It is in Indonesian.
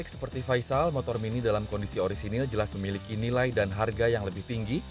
seperti faisal motor mini dalam kondisi orisinil jelas memiliki nilai dan harga yang lebih tinggi